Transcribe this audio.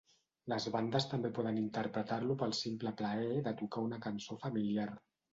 Les bandes també poden interpretar-lo pel simple plaer de tocar una cançó familiar.